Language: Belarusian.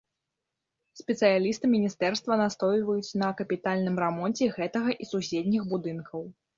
Спецыялісты міністэрства настойваюць на капітальным рамонце гэтага і суседніх будынкаў.